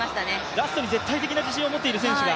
ラストに絶対的な自信を持っている選手が。